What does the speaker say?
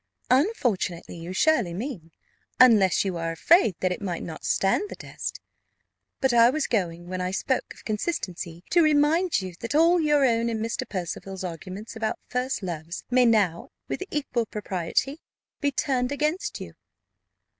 "Unfortunately, you surely mean; unless you are afraid that it might not stand the test. But I was going, when I spoke of consistency, to remind you that all your own and Mr. Percival's arguments about first loves may now, with equal propriety, be turned against you."